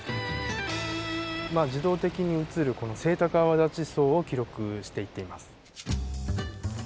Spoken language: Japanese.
自動的に映るこのセイタカアワダチソウを記録していっています。